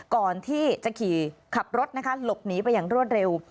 ก่อนที่จะขี่ขับรถนะคะหลบหนีไปอย่างรวดเร็ว